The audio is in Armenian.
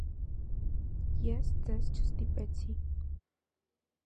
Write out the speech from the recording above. ես ձեզ չստիպեցի: